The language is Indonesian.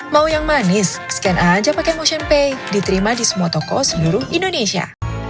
mau yang manis scan aja pakai motion pay diterima di semua toko seluruh indonesia